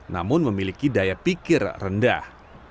namun memiliki daya pikir rendah